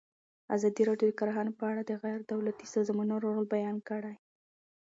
ازادي راډیو د کرهنه په اړه د غیر دولتي سازمانونو رول بیان کړی.